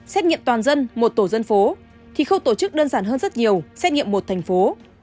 xét nghiệm toàn dân một tổ dân phố thì khâu tổ chức đơn giản hơn rất nhiều xét nghiệm một thành phố